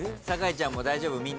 酒井ちゃんも大丈夫？